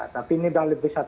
tapi ini sudah lebih